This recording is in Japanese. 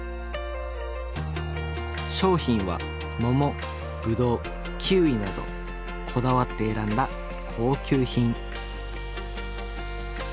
商品は桃ぶどうキウイなどこだわって選んだ高級品。